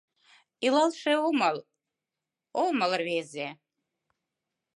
Илалше омыл, омыл рвезе —